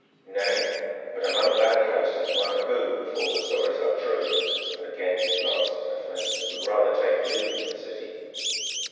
"Nay, but among that host is one who, if all the stories are true," and again he glanced at her face, "would rather take you than the city."